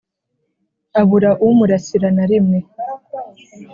Abura umurasira na rimwe